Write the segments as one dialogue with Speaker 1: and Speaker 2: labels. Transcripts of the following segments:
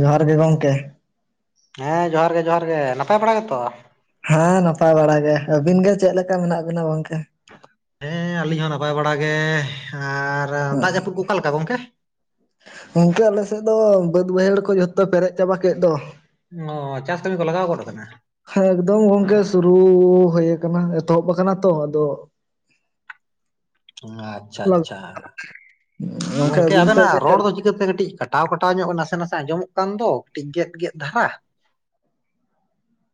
Speaker 1: ᱡᱚᱦᱟᱨ ᱜᱮ ᱜᱚᱝᱠᱮ
Speaker 2: ᱦᱮᱸ ᱡᱚᱦᱟᱨ ᱜᱮ ᱡᱚᱦᱟᱨ ᱜᱮ ᱱᱟᱯᱟᱭ ᱵᱟᱲᱟ ᱜᱮᱛᱚ?
Speaker 1: ᱦᱮᱸ ᱱᱟᱯᱟᱭ ᱵᱟᱲᱟ ᱜᱮ ᱟᱹᱵᱤᱱ ᱜᱮ ᱪᱮᱫ ᱞᱮᱠᱟ ᱢᱮᱱᱟᱜ ᱵᱤᱱᱟ ᱜᱚᱝᱠᱮ?
Speaker 2: ᱦᱮᱸ ᱟᱹᱞᱤᱧ ᱦᱚᱸ ᱱᱟᱯᱟᱭ ᱵᱟᱲᱟ ᱜᱮ ᱟᱨ ᱫᱟᱜ ᱡᱟᱹᱯᱩᱫ ᱠᱚ ᱚᱠᱟ ᱞᱮᱠᱟ ᱜᱚᱢᱠᱮ?
Speaker 1: ᱜᱝᱠᱮ ᱟᱞᱮᱥᱮᱫ ᱫᱚ ᱵᱟᱹᱫ ᱵᱟᱹᱭᱦᱟᱹᱲ ᱠᱚ ᱡᱷᱚᱛᱚ ᱯᱮᱨᱮᱡ ᱪᱟᱵᱟ ᱠᱮᱫ ᱫᱚ।
Speaker 2: ᱚ ᱪᱟᱥ ᱠᱟᱹᱢᱤ ᱠᱚ ᱞᱟᱜᱟᱣ ᱜᱚᱫ ᱟᱠᱟᱱᱟ?
Speaker 1: ᱮᱠᱫᱚᱢ ᱜᱚᱝᱠᱮ ᱥᱩᱨᱩ ᱦᱳᱭ ᱟᱠᱟᱱᱟ ᱮᱛᱚᱦᱚᱵ ᱟᱠᱟᱱᱟ ᱛᱚ ᱟᱫᱚ।
Speaker 2: ᱟᱪᱪᱷᱟ ᱟᱪᱪᱷᱟ ᱜᱚᱝᱠᱮ
Speaker 1: ᱟᱹᱵᱤᱱ ᱥᱮᱫ ᱜᱮ
Speaker 2: ᱟᱵᱮᱱᱟᱜ ᱨᱚᱲ
Speaker 1: ᱪᱮᱫ
Speaker 2: ᱫᱚ ᱪᱮ ᱪᱤᱠᱟᱹᱛᱮ ᱠᱟᱹᱴᱤᱡ ᱠᱟᱴᱟᱣ ᱠᱟᱴᱟᱣ ᱧᱚᱜ ᱱᱟᱥᱮ ᱱᱟᱥᱮ ᱟᱸᱚᱢᱚᱜ ᱠᱟᱱ ᱫᱚ ᱠᱟᱹᱴᱤᱡ ᱜᱮᱫ ᱜᱮᱫ ᱫᱷᱟᱨᱟ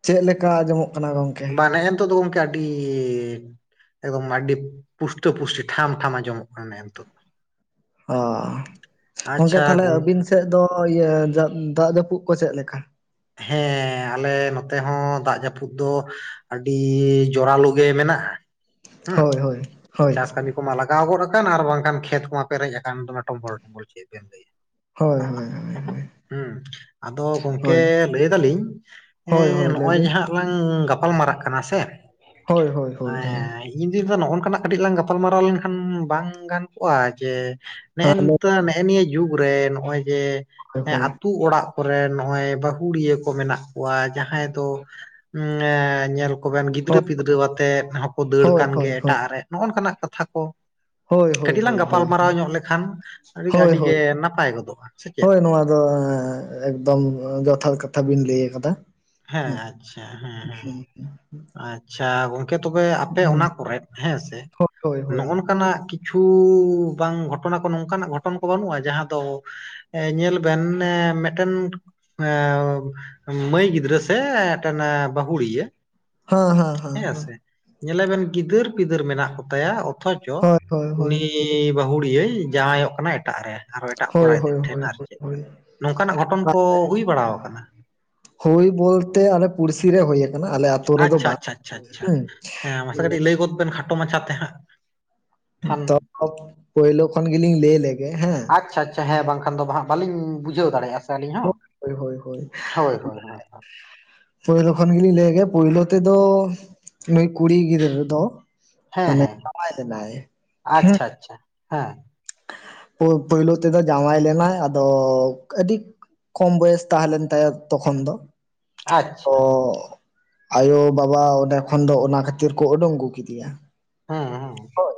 Speaker 1: ᱪᱮᱫ ᱞᱮᱠᱟ ᱟᱸᱡᱚᱢᱚᱜ ᱠᱟᱱᱟ ᱜᱚᱝᱠᱮ?
Speaker 2: ᱵᱟᱝ ᱱᱮᱱᱤᱛᱚᱜ ᱫᱚ ᱜᱚᱝ ᱟᱹᱰᱤᱻ ᱮᱠᱫᱚᱢ ᱟᱹᱰᱤ ᱯᱩᱥᱴᱟᱹ ᱯᱩᱥᱴᱤ ᱴᱷᱟᱢ ᱴᱷᱟᱢ ᱟᱸᱡᱚᱢᱚᱜ ᱠᱟᱱᱟ ᱱᱮᱜᱼᱮ ᱱᱤᱛᱚᱜ। [inaudible]
Speaker 1: ᱚ ᱜᱚᱝᱠᱮ
Speaker 2: ᱟᱪᱪᱷᱟ
Speaker 1: ᱛᱟᱞᱦᱮ
Speaker 2: ᱜᱚᱝ
Speaker 1: ᱟᱹᱵᱤᱱ ᱥᱮᱫ ᱫᱚ ᱤᱭᱟᱹ ᱫᱟᱜ ᱫᱟᱜ ᱡᱟᱹᱯᱩᱫ ᱠᱚ ᱪᱮᱫ ᱞᱮᱠᱟ?
Speaker 2: ᱦᱮᱸᱻ ᱟᱞᱮ ᱱᱚᱛᱮ ᱦᱚᱸ ᱫᱟᱜ ᱡᱟᱹᱯᱩᱫ ᱫᱚ ᱟᱹᱰᱤ ᱡᱚᱨᱟᱞᱳ ᱢᱮᱱᱟᱜᱼᱟ ᱦᱩᱸ
Speaker 1: ᱦᱳᱭ ᱦᱳᱭ ᱦᱳᱭ
Speaker 2: ᱪᱟᱥ ᱠᱟᱹᱢᱤ ᱠᱚᱢᱟ ᱞᱟᱜᱟᱣ ᱜᱚᱫ ᱟᱠᱟᱱ ᱟᱨ ᱵᱟᱝᱠᱷᱟᱱ ᱠᱷᱮᱛ ᱠᱚᱢᱟ ᱯᱮᱨᱮᱡ ᱟᱠᱟᱱ ᱴᱚᱢᱵᱚᱞ ᱴᱚᱢᱵᱚᱞ ᱪᱮᱫ ᱵᱮᱱ ᱞᱟᱹᱭᱟ?
Speaker 1: ᱦᱳᱭ ᱦᱳᱭ ᱦᱳᱭ
Speaker 2: ᱦᱩᱸ ᱟᱫᱚ ᱜᱚᱝᱠᱮ ᱠᱮ
Speaker 1: ᱦᱳᱭ
Speaker 2: ᱞᱟᱹᱭ ᱫᱟᱞᱤᱧ
Speaker 1: ᱦᱳᱭ
Speaker 2: ᱮᱸ
Speaker 1: ᱦᱳᱭ ᱞᱟᱹᱭ
Speaker 2: ᱱᱚᱜᱼᱚᱭ
Speaker 1: ᱵᱤᱱ
Speaker 2: ᱡᱟᱦᱟᱸᱜ ᱞᱟᱝ ᱜᱟᱯᱟᱞ ᱢᱟᱨᱟᱜ ᱠᱟᱱᱟ ᱥᱮ
Speaker 1: ᱦᱳᱭ ᱦᱳᱭ ᱦᱳᱭ ᱦᱳᱭ
Speaker 2: [unintelligible] ᱤᱧ ᱫᱤᱱ ᱫᱩᱧ ᱱᱚᱜᱼ ᱱᱚᱝᱠᱟ ᱱᱟᱜ ᱠᱟᱹᱴᱤᱡ ᱞᱟᱝ ᱜᱟᱯᱟᱞᱢᱟᱨᱟᱣ ᱞᱮᱱᱠᱷᱟᱱ ᱵᱟᱝ ᱜᱟᱱ ᱠᱚᱚᱜᱼᱟ ᱡᱮ ᱱᱮᱜᱼ
Speaker 1: ᱦᱳᱭ ᱦᱳᱭ
Speaker 2: ᱱᱮᱜᱼᱮ ᱱᱤᱭᱟᱹ ᱡᱩᱜᱽ ᱨᱮ ᱱᱚᱜᱼᱚᱭ ᱡᱮ
Speaker 1: ᱦᱳᱭ
Speaker 2: ᱟᱹᱛᱩ ᱚᱲᱟᱜ ᱠᱚᱨᱮ ᱱᱚᱜᱼᱚᱭ ᱵᱟᱹᱦᱩᱲᱤᱭᱟᱹ ᱠᱚ ᱢᱮᱱᱟᱜ ᱠᱚᱣᱟ ᱡᱟᱦᱟᱸᱭ ᱫᱚ ᱧᱮᱞ ᱠᱚ ᱵᱮᱱ ᱜᱤᱫᱽᱨᱟᱹ ᱯᱤᱫᱽᱨᱟᱹ ᱟᱛᱮᱜ ᱦᱚᱸᱠᱚ ᱫᱟᱹᱲ
Speaker 1: ᱦᱳᱭ
Speaker 2: ᱠᱟᱱ ᱜᱮ
Speaker 1: ᱦᱳᱭ ᱦᱳᱭ
Speaker 2: ᱮᱴᱟᱜ ᱨᱮ ᱱᱚᱜᱼᱚ ᱱᱚᱠᱟᱱᱟᱜ ᱠᱟᱛᱷᱟ ᱠᱚ᱾
Speaker 1: ᱦᱳᱭ ᱦᱳᱭ
Speaker 2: ᱠᱟᱹᱴᱤᱡ ᱞᱟᱝ
Speaker 1: ᱦᱳᱭ ᱦᱳᱭ
Speaker 2: ᱜᱟᱯᱟᱞᱢᱟᱨᱟᱣ ᱧᱚᱜ ᱞᱮᱠᱷᱟᱱ ᱟᱹᱰᱤ
Speaker 1: ᱦᱳᱭ
Speaker 2: ᱟᱹᱰᱤ ᱜᱮ
Speaker 1: ᱦᱳᱭ
Speaker 2: ᱱᱟᱯᱟᱭ ᱜᱚᱫᱚᱜᱼᱟ ᱥᱮ ᱪᱮᱫ?
Speaker 1: ᱦᱳᱭ ᱱᱚᱣᱟ ᱫᱚ ᱮᱠᱫᱚᱢ ᱡᱚᱛᱷᱟᱛ ᱠᱟᱛᱷᱟ ᱵᱤᱱ ᱞᱟᱹᱭ ᱟᱠᱟᱫᱟ ᱾
Speaker 2: ᱦᱮᱸ ᱟᱪᱪᱷᱟ ᱦᱮᱸ ᱦᱮᱸ ᱟᱪᱷᱟ᱾ ᱟᱪᱪᱷᱟ ᱜᱚᱝᱠᱮ ᱛᱚᱵᱮ ᱟᱯᱮ
Speaker 1: ᱦᱩᱸ
Speaker 2: ᱚᱱᱟ ᱠᱚᱨ ᱦᱮᱸ ᱥᱮ
Speaker 1: ᱦᱳᱭ ᱦᱳᱭ ᱦᱳᱭ
Speaker 2: ᱱᱚᱜ ᱱᱚᱝᱠᱟ ᱱᱟᱜ ᱠᱤᱪᱷᱩ ᱵᱟᱝ ᱜᱷᱚᱴᱚᱱᱟ ᱠᱚ ᱱᱚᱝᱠᱟᱱᱟᱜ ᱜᱷᱚᱴᱚᱱ ᱠᱚ ᱵᱟᱹᱱᱩᱜᱼᱟ ᱡᱟᱦᱟᱸ ᱫᱚ ᱧᱮᱞ ᱵᱮᱱ ᱢᱤᱫᱴᱮᱱ ᱢᱟᱹᱭ ᱜᱤᱫᱽᱨᱟᱹ ᱜᱤᱫᱨᱟᱹ ᱥᱮ ᱢᱤᱴᱮᱱ ᱵᱟᱦᱩᱲᱤᱭᱟᱹ ᱦᱮᱸ ᱥᱮ ᱧᱮᱞᱮ ᱵᱮᱱ ᱜᱤᱫᱟᱹᱨ ᱯᱤᱫᱟᱹᱨ ᱢᱮᱱᱟᱜ ᱠᱚᱛᱟᱭᱟ ᱚᱛᱷᱚᱪᱚ
Speaker 1: ᱦᱳᱭ ᱦᱳᱭ ᱦᱳᱭ
Speaker 2: ᱩᱱᱤ ᱩᱱᱤ ᱵᱟᱹᱦᱩᱲᱤᱭᱟᱹ ᱡᱟᱶᱟᱭᱚᱜ ᱠᱟᱱᱟ ᱮᱴᱟᱜ ᱨᱮ ᱟᱨᱚ ᱮᱴᱟᱜ
Speaker 1: ᱦᱳᱭ
Speaker 2: ᱠᱚᱲᱟ ᱜᱤᱫᱟᱹᱨ
Speaker 1: ᱦᱳᱭ
Speaker 2: ᱴᱷᱮᱱ
Speaker 1: ᱦᱳᱭ
Speaker 2: ᱟᱨ ᱪᱮᱫ᱾
Speaker 1: ᱦᱳᱭ
Speaker 2: ᱱᱚᱝᱠᱟ ᱱᱟᱜ ᱜᱷᱚᱴᱚᱱ ᱠᱚ ᱦᱩᱭ ᱵᱟᱲᱟ ᱟᱠᱟᱱᱟ?
Speaker 1: ᱦᱩᱭᱳ ᱵᱚᱞᱛᱮ ᱟᱞᱮ ᱯᱩᱲᱥᱤ ᱨᱮ ᱦᱩᱭ ᱠᱟᱱᱟ ᱟᱞᱮ ᱟᱹᱛᱩᱳ ᱨᱮᱫᱚ
Speaker 2: ᱟᱪᱪᱷᱟ
Speaker 1: ᱵᱟᱝ ᱾
Speaker 2: ᱟᱪᱪᱷᱟ ᱟᱪᱪᱷᱟ ᱟᱪᱪᱷᱟ ᱦᱮᱸ [unintelligible] ᱠᱷᱟᱴᱚ ᱢᱟᱪᱷᱟᱛᱮ ᱦᱟᱸᱜ, ᱠᱷᱟᱱ
Speaker 1: [inaudible] ᱯᱳᱭᱞᱳ ᱠᱷᱚᱱ ᱜᱮᱞᱤᱧ ᱞᱟᱹᱭ ᱞᱮᱜᱮ ᱦᱮᱸ,
Speaker 2: ᱟᱪᱪᱷᱟ ᱟᱪᱪᱷᱟ ᱦᱮᱸ ᱵᱟᱝᱠᱷᱟᱱ ᱫᱚ ᱦᱟᱜ ᱵᱟᱞᱤ ᱵᱩᱡᱷᱟᱹᱣ ᱫᱟᱲᱮᱭᱟᱜ-ᱟ ᱥᱮ ᱟᱹᱞᱤᱧ ᱦᱚᱸ᱾
Speaker 1: ᱦᱚᱭ ᱦᱚᱭ ᱦᱚᱭ᱾
Speaker 2: ᱦᱳᱭ ᱦᱳᱭ ᱦᱳᱭ
Speaker 1: ᱯᱳᱭᱞᱳ ᱠᱷᱚᱱ ᱜᱮᱞᱤᱧ ᱞᱟᱹᱭ ᱞᱮᱜᱮ ᱯᱳᱭᱞᱳ ᱛᱮᱫᱚ ᱱᱩᱭ ᱠᱩᱲᱤ ᱜᱤᱫᱽᱨᱟᱹ ᱫᱚ
Speaker 2: ᱦᱮᱸ
Speaker 1: ᱢᱟᱱᱮ
Speaker 2: ᱦᱮᱸ
Speaker 1: ᱡᱟᱣᱟᱭ ᱞᱮᱱᱟᱭ [inaudible]
Speaker 2: ᱟᱪᱪᱷᱟ ᱟᱪᱪᱷᱟ ᱦᱮᱸ
Speaker 1: ᱯᱳᱭᱞᱳ ᱛᱮᱫᱚ ᱡᱟᱶᱟᱭ ᱞᱮᱱᱟᱭ ᱟᱫᱚ ᱟᱹᱰᱤ ᱠᱚᱢ ᱵᱚᱭᱮᱥ ᱛᱟᱦᱮᱸ ᱞᱮᱱ ᱛᱟᱭᱟ ᱛᱚᱠᱷᱚᱱ ᱫᱚ, ᱛᱚ
Speaker 2: ᱟᱪᱷᱟ,
Speaker 1: ᱟᱭᱳ ᱵᱟᱵᱟ ᱚᱸᱰᱮ ᱠᱷᱚᱱ ᱫᱚ ᱚᱱᱟ ᱠᱷᱟᱹᱛᱤᱨ ᱠᱚ ᱩᱰᱩᱝ ᱟᱹᱜᱩ ᱠᱮᱫᱮᱭᱟ᱾
Speaker 2: ᱦᱮᱸ ᱦᱮᱸ
Speaker 1: ᱦᱳᱭ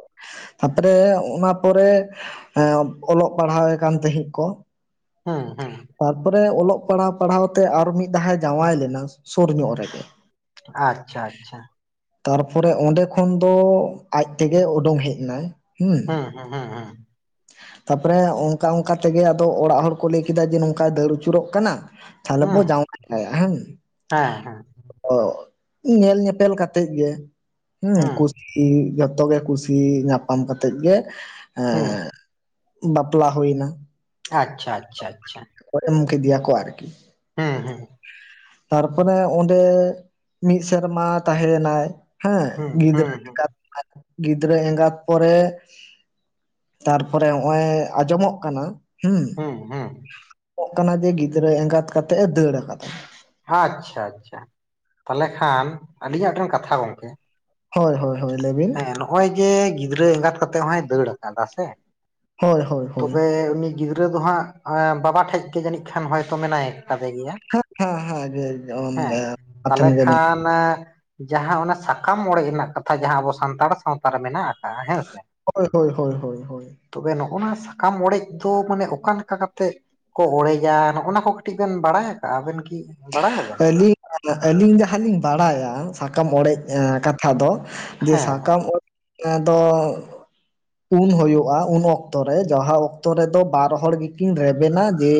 Speaker 1: ᱛᱟᱨᱯᱚᱨᱮ ᱚᱱᱟ ᱯᱚᱨᱮ ᱚᱞᱚᱜ ᱯᱟᱲᱦᱟᱣᱮ ᱠᱟᱱ ᱛᱟᱦᱮᱸᱜ ᱠᱚ,
Speaker 2: ᱦᱩᱸ ᱦᱩᱸ
Speaker 1: ᱛᱟᱨᱯᱚᱨᱮ ᱚᱞᱚᱜ ᱯᱟᱲᱦᱟᱣ ᱯᱟᱲᱦᱟᱣ ᱛᱮ ᱟᱨᱚ ᱢᱤᱫ ᱫᱷᱟᱟᱭ ᱡᱟᱶᱟᱭ ᱞᱮᱱᱟ, ᱥᱩᱨ ᱧᱚᱜ ᱨᱮ ᱜᱮ᱾
Speaker 2: ᱟᱪᱪᱷᱟ ᱟᱪᱪᱷᱟ
Speaker 1: ᱛᱟᱨᱯᱚᱨᱮ ᱚᱸᱰᱮ ᱠᱷᱚᱱ ᱫᱚ ᱟᱡ ᱛᱮᱜᱮ ᱩᱰᱩᱝ ᱦᱮᱡ ᱮᱱᱟᱭ᱾
Speaker 2: ᱦᱩᱸ ᱦᱩᱸ ᱦᱩᱸ ᱦᱩᱸ [inaudible]
Speaker 1: ᱛᱟᱨᱯᱚᱨᱮ ᱚᱱᱠᱟ ᱚᱱᱠᱟ ᱛᱮᱜᱮ ᱟᱫᱚ ᱚᱲᱟᱜ ᱦᱚᱲ ᱠᱚ ᱞᱟᱹᱭ ᱠᱮᱫᱟ ᱡᱮ ᱱᱚᱝᱠᱟᱭ ᱫᱟᱹᱲ ᱟᱹᱪᱩᱨᱚᱜ ᱠᱟᱱᱟ, ᱛᱟᱦᱚᱞᱮ ᱵᱚ
Speaker 2: ᱦᱩᱸ
Speaker 1: ᱡᱟᱶᱟᱭ ᱠᱟᱭᱟ ᱦᱮᱸ᱾
Speaker 2: ᱦᱮᱸ ᱦᱮᱸ
Speaker 1: ᱚ ᱧᱮᱞ ᱧᱮᱯᱮᱞ ᱠᱟᱛᱮᱜ ᱜᱮ ᱦᱮᱸ
Speaker 2: ᱦᱩᱸ
Speaker 1: ᱠᱩᱥᱤ ᱡᱚᱛᱚᱜᱮ ᱠᱩᱥᱤ ᱧᱟᱯᱟᱢ ᱠᱟᱛᱮᱜ ᱜᱮ ᱮᱸ
Speaker 2: ᱦᱩᱸ
Speaker 1: ᱵᱟᱯᱞᱟ ᱦᱩᱭᱮᱱᱟ᱾
Speaker 2: ᱟᱪᱷᱟ ᱟᱪᱷᱟ ᱟᱪᱷᱟ,
Speaker 1: ᱮᱢ ᱠᱮᱫᱮᱭᱟᱠᱚ ᱟᱨᱠᱤ,
Speaker 2: ᱦᱮᱸ ᱦᱮᱸ
Speaker 1: ᱛᱟᱨᱯᱚᱨᱮ ᱚᱸᱰᱮ ᱢᱤᱫ ᱥᱮᱨᱢᱟ ᱛᱟᱦᱮᱸ ᱮᱱᱟᱭ, ᱦᱮᱸ
Speaker 2: ᱦᱩᱸ
Speaker 1: ᱜᱤᱫᱽᱨᱟᱹ
Speaker 2: ᱦᱩᱸ ᱦᱩᱸ
Speaker 1: ᱮᱸᱜᱟᱛ ᱜᱤᱫᱽᱨᱟᱹ ᱮᱸᱜᱟᱛ ᱯᱚᱨᱮ ᱛᱟᱨᱯᱚᱨᱮ ᱱᱚᱜ-ᱚᱭ ᱟᱸᱡᱚᱢᱚᱜ ᱠᱟᱱᱟ ᱦᱩᱸ
Speaker 2: ᱦᱩᱸ ᱦᱩᱸ
Speaker 1: ᱟᱡᱚᱢᱜ ᱠᱟᱱᱟ ᱡᱮ ᱜᱤᱫᱽᱨᱟᱹ ᱮᱸᱜᱟᱛ ᱠᱟᱛᱮᱜ ᱮ ᱫᱟᱹᱲ ᱟᱠᱟᱫᱟ᱾
Speaker 2: ᱟᱪᱷᱟ ᱟᱪᱷᱟ, ᱛᱟᱦᱚᱞᱮ ᱠᱷᱟᱱ ᱟᱹᱞᱤᱧᱟᱜ ᱴᱷᱮᱱ ᱠᱟᱛᱷᱟ ᱜᱚᱝᱠᱮ
Speaker 1: ᱦᱚᱭ ᱦᱚᱭ ᱦᱚᱭ ᱞᱟᱹᱭ ᱵᱤᱱ?
Speaker 2: ᱱᱚᱜ-ᱚᱭ ᱡᱮ ᱜᱤᱫᱽᱨᱟᱹ ᱮᱸᱜᱟᱛ ᱠᱟᱛᱮᱜ ᱦᱚᱭ ᱫᱟᱹᱲ ᱠᱟᱫᱟ ᱥᱮ
Speaker 1: ᱦᱳᱭ ᱦᱳᱭ ᱦᱳᱭ
Speaker 2: ᱛᱚᱵᱮ ᱩᱱᱤ ᱜᱤᱫᱽᱨᱟᱹ ᱫᱚ ᱦᱟᱸᱜ ᱵᱟᱵᱟ ᱴᱷᱮᱡ ᱜᱮ ᱡᱟᱹᱱᱤᱡ ᱠᱷᱟᱱ ᱦᱚᱭᱛᱚ ᱢᱮᱱᱟᱭ ᱠᱟᱫᱮ ᱜᱮᱭᱟ
Speaker 1: ᱦᱮᱸ ᱦᱮᱸ ᱦᱮᱸ ᱡᱷ ᱡᱵᱮᱱ [inaudible]
Speaker 2: ᱚᱱᱟ ᱡᱟᱦᱟᱸ ᱚᱱᱟ ᱥᱟᱠᱟᱢ ᱚᱲᱮᱡ ᱨᱮᱱᱟᱜ ᱠᱟᱛᱷᱟ ᱡᱟᱦᱟᱸ ᱟᱵᱚ ᱥᱟᱱᱛᱟᱲ ᱥᱟᱶᱛᱟ ᱨᱮ ᱢᱮᱱᱟᱜ ᱟᱠᱟᱫᱟᱜ-ᱟ᱾ ᱦᱮᱸ ᱥᱮ
Speaker 1: ᱦᱚᱭ ᱦᱚᱭ ᱦᱚᱭ
Speaker 2: ᱛᱚᱵᱮ ᱱᱚᱜ-ᱚᱭ ᱱᱚᱣᱟ ᱥᱟᱠᱟᱢ ᱚᱲᱮᱡ ᱫᱚ ᱢᱟᱱᱮ ᱚᱠᱟ ᱞᱮᱠᱟ ᱠᱟᱛᱮᱜ ᱠᱚ ᱚᱲᱮᱡᱟ ᱱᱚᱜ-ᱚᱭ ᱱᱚᱣᱟ ᱠᱚ ᱠᱟᱹᱴᱤᱡ ᱵᱤᱱ ᱵᱟᱲᱟᱭ ᱟᱠᱟᱜ-ᱟ ᱟᱵᱤᱱ ᱠᱤ ᱵᱟᱰᱟᱭ ᱟᱵᱤᱱ
Speaker 1: ᱟᱹᱞᱤ ᱟᱹᱞᱤᱧ ᱡᱟᱦᱟᱸ ᱞᱤᱧ ᱵᱟᱰᱟᱭᱟ ᱥᱟᱠᱟᱢ ᱚᱲᱮᱡ ᱠᱟᱛ ᱛᱟ ᱫᱚ ᱡᱮ
Speaker 2: ᱦᱮᱸ
Speaker 1: ᱥᱟᱠᱟᱢ ᱚᱲᱮᱡ ᱫᱚ ᱩᱱ ᱦᱩᱭᱩᱜ-ᱟ ᱩᱱ ᱚᱠᱛᱚ ᱨᱮ ᱡᱟᱦᱟᱸ ᱚᱠᱛᱚ ᱨᱮᱫᱚ ᱵᱟᱨ ᱦᱚᱲ ᱜᱮᱠᱤᱱ ᱨᱮᱵᱮᱱᱟ ᱡᱮ